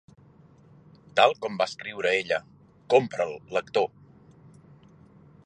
Tal com va escriure ella: Compra'l, lector.